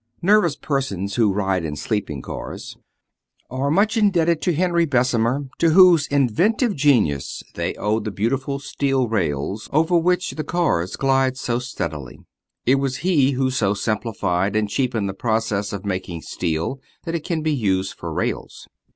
Nervous persons who ride in sleeping cars are much indebted to Henry Bessemer, to whose inventive genius they owe the beautiful steel rails over which the cars glide so steadily. It was he who so simplified and cheapened the process of making steel that it can be used for rails.